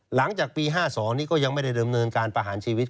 หลังจากปี๕๒นี้ก็ยังไม่ได้ดำเนินการประหารชีวิต